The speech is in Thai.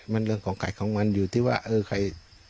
มันเรื่องของไก่ของมันอยู่ที่ว่าเออใคร